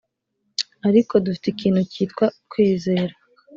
ariko dufite ikintu cyitwa kwizera.